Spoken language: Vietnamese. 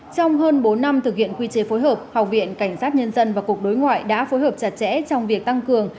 trong hơn bốn năm thực hiện quy chế phối hợp học viện cảnh sát nhân dân và cục đối ngoại đã phối hợp chặt chẽ trong việc tăng cường